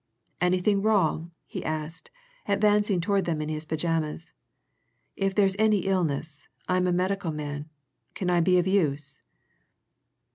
"Anything wrong?" he asked, advancing towards them in his pyjamas. "If there's any illness, I'm a medical man. Can I be of use?"